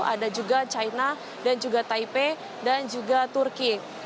ada juga china dan juga taipei dan juga turki